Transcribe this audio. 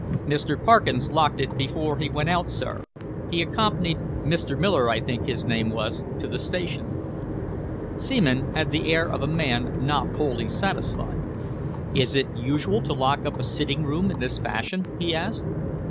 "Mr. Parkins locked it before he went out, sir. He accompanied Mr. Miller, I think his name was to the station." Seaman had the air of a man not wholly satisfied. "Is it usual to lock up a sitting room in this fashion?" he asked.